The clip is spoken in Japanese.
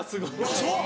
あっそう！